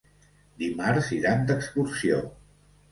Dimarts iran d'excursió.